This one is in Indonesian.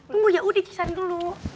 tunggu yaudah cik sari dulu